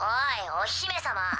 お姫様